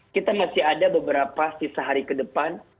kita masih ada beberapa sisa hari ke depan